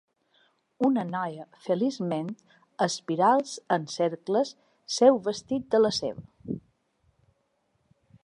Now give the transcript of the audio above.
Una noia feliçment espirals en cercles seu vestit de la seva